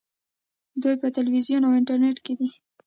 دوی په تلویزیون او انټرنیټ کې دي.